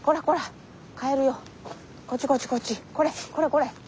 これこれこれ。